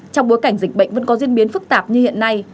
trong bối cảnh dịch bệnh vẫn có diễn biến phức tạp như hiện nay